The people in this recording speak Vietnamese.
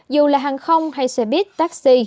dù là hàng không hay xe buýt taxi